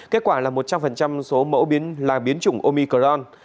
kết quả là một trăm linh số mẫu là biến chủng omicron